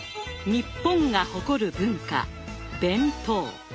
日本が誇る文化弁当。